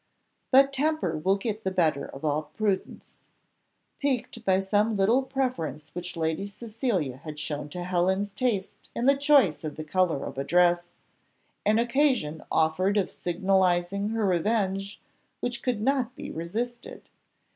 But temper will get the better of all prudence. Piqued by some little preference which Lady Cecilia had shown to Helen's taste in the choice of the colour of a dress, an occasion offered of signalising her revenge, which could not be resisted.